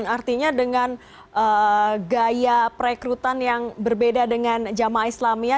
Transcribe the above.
artinya dengan gaya perekrutan yang berbeda dengan jamaah islamia